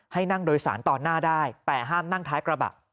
ให้นั่งโดยสารตอนหน้าได้แต่ห้ามนั่งท้ายกระบะ